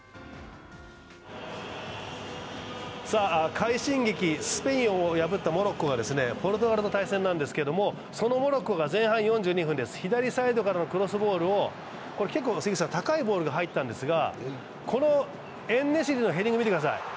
快進撃、スペインを破ったモロッコとポルトガルの対戦なんですけど、そのモロッコが前半４２分です、左サイドからのクロスボールを結構高いボールが入ったのですがエン＝ネシリのヘディング見てください。